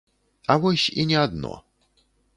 А вось і не адно.